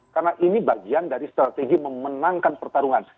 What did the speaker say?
karena ini bagian dari strategi memenangkan pertarungan